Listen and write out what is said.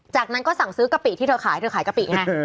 จากนั้นก็สั่งซื้อกะปิที่เธอขายเธอขายกะปิไง